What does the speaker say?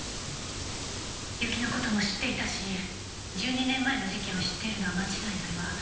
雪の事も知っていたし１２年前の事件を知っているのは間違いないわ。